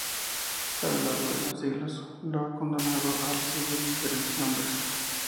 A lo largo de los siglos la condado ha recibido diferentes nombres.